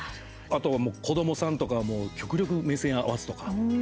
あとは子どもさんとかは極力、目線合わすとか。